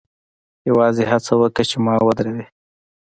یوازې هڅه وکړه چې ما ودروې